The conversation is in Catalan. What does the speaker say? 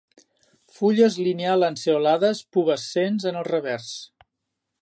Fulles linear-lanceolades pubescents en el revers.